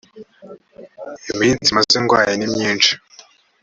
iminsi maze ndwaye ni myinshi